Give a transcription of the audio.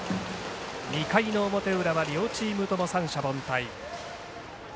２回の表裏は両チームとも三者凡退。